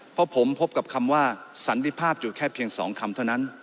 เพราะผมพบกับคำว่าสันติภาพอยู่แค่เพียง๒คำเท่านั้น